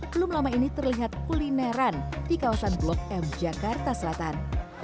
belum lama ini terlihat kulineran di kawasan blok m jakarta selatan